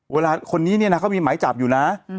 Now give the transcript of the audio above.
คนนี้เนี่ยนะเขามีหมายจับอยู่นะ